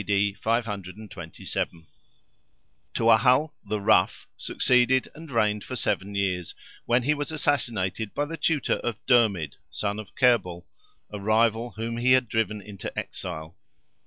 D. 527). TUATHAL, "the Rough," succeeded and reigned for seven years, when he was assassinated by the tutor of DERMID, son of Kerbel, a rival whom he had driven into exile.